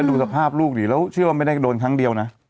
ดูสภาพลูกดิแล้วเชื่อว่าไม่ได้โดนครั้งเดียวนะ